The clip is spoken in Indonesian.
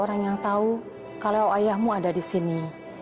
aku jagain ayah di sini